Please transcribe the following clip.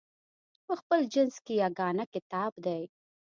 په خپل جنس کې یګانه کتاب دی.